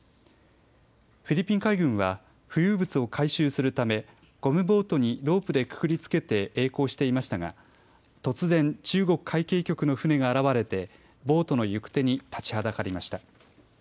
フィリピン海軍は浮遊物を回収するためゴムボートにロープでくくりつけて、えい航していましたが突然、中国海警局の船が現れてボートの行く手に立ちはだかりました。